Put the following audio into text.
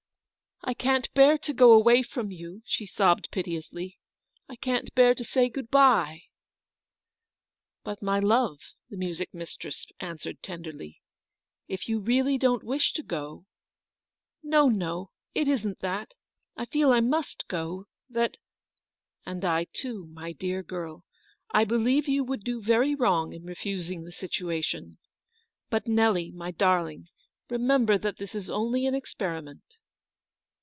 "I can't bear to go away from you," she sobbed piteously, " I can't bear to say good by." "But, my love," the music mistress answered tenderly, " if you really don't wish to go —"" No, no, it isn't that. I feel that I must go — that—" " And I, too, my dear girl. I believe you would do very wrong in refusing this situation. But Nelly, my darling, remember that this is only an experiment.